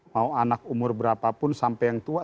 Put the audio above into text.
mau anak umur berapapun sampai yang tua